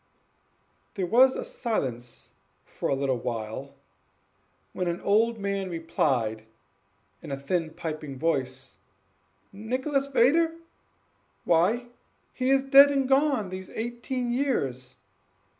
There was a silence for a little while, when an old man replied, in a thin, piping voice: "Nicholas Vedder! why, he is dead and gone these eighteen years!